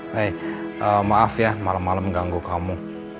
hei maaf ya malam malam ganggu kamu